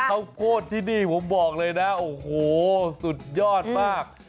ข้าวโพดที่นี่ผมบอกเลยนะโอ้โหสุดยอดมาก